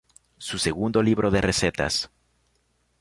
Su segundo libro de recetas.